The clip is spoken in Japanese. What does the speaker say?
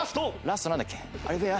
ラストなんだっけ？